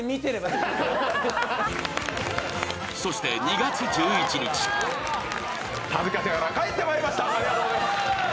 そして２月１１日恥ずかしながら帰ってまいりました！